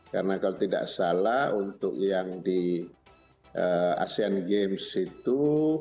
karena kalau tidak salah untuk yang di sea games itu